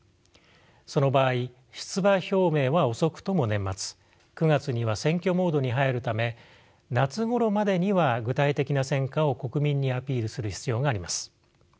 その場合出馬表明は遅くとも年末９月には選挙モードに入るため夏頃までには具体的な戦果を国民にアピールする必要があります。